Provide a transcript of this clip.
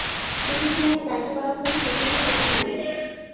তিনি ছিলেন এই দায়িত্বপালনকারী শেফিল্ডের প্রথম নারী।